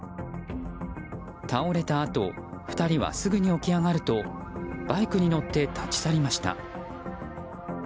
倒れたあと２人はすぐに起き上がるとバイクに乗って立ち去りました。